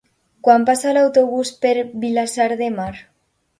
Quan passa l'autobús per Vilassar de Mar?